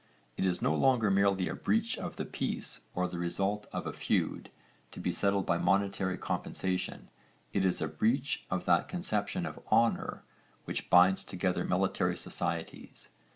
It is no longer merely a breach of the peace or the result of a feud, to be settled by monetary compensation, it is a breach of that conception of honour which binds together military societies.